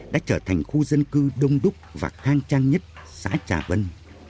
đã trở thành khu dân cư đông đúc và khang trang nhất xã trà vân